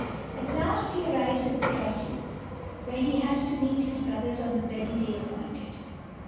At last he arrives at the cross roads, where he has to meet his brothers on the very day appointed.